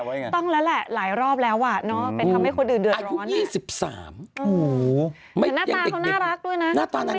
โคโพสชาแนลไง